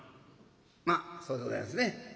「まあそうでございますね。